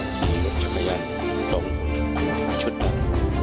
สี่ลูกธรรมยาสองชุดครับ